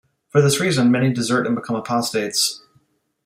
For this reason many desert and become apostates.